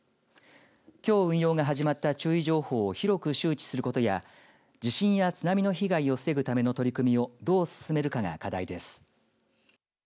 きょう運用が始まった注意情報を広く周知することや地震や津波の被害を防ぐための取り組みをどう進めるかが課題です。